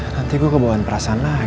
nanti gua kebohongan perasaan lagi